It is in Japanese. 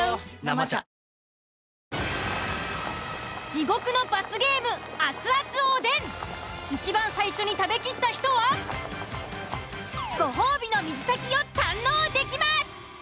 地獄の罰ゲームいちばん最初に食べきった人はご褒美の水炊きを堪能できます！